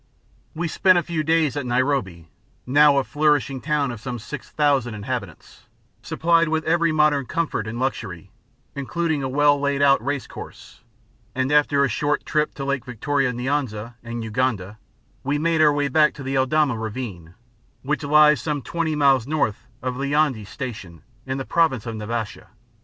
We spent a few days at Nairobi, now a flourishing town of some 6,000 inhabitants, supplied with every modern comfort and luxury, including a well laid out race course; and after a short trip to Lake Victoria Nyanza and Uganda, we made our way back to the Eldama Ravine, which lies some twenty miles north of Landiani Station in the province of Naivasha.